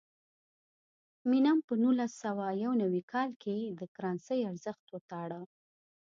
مینم په نولس سوه یو نوي کال کې د کرنسۍ ارزښت وتاړه.